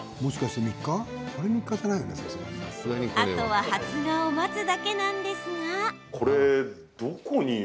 あとは発芽を待つだけなんですが。